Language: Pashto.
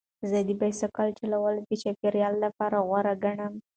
زه د بایسکل چلول د چاپیریال لپاره غوره ګڼم.